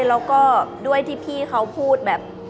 แล้วก็ด้วยที่พี่เขาพูดแบบ